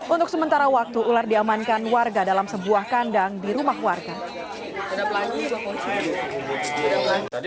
untuk sementara waktu ular diamankan warga dalam sebuah kandang di rumah warga